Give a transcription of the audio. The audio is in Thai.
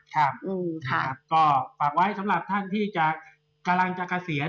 ครับก็ฝากไว้สำหรับท่านที่จะกำลังจะเกษียณ